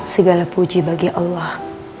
segala puji bagi allah